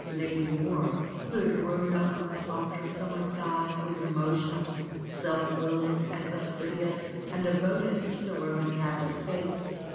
Lady Mohr, who had grown up under softer summer skies, was emotional, self willed and fastidious and de voted to the Roman Catholic faith.